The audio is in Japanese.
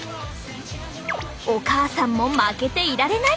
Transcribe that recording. お母さんも負けていられない！